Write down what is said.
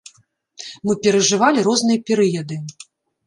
Мы перажывалі розныя перыяды.